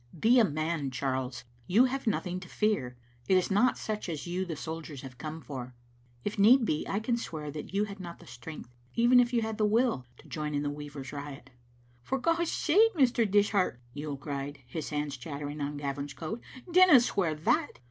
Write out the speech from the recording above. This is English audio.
" Be a man, Charles. You have nothing to fear. It is not such as you the soldiers have come for. If need be, I can swear that you had not the strength, even if you had the will, to join in the weavers' riot." "For Godsake, Mr. Dishart," Yuill cried, his hands chattering on Gavin's coat, "dinna swear that.